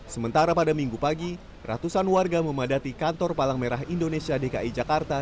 sementara pada minggu pagi ratusan warga memadati kantor palang merah indonesia dki jakarta